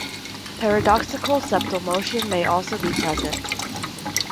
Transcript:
Paradoxical septal motion may also be present.